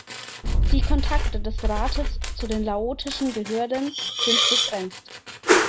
Die Kontakte des Rates zu den laotischen Behörden sind begrenzt.